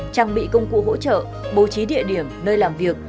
trang bị công cụ hỗ trợ bố trí địa điểm nơi làm việc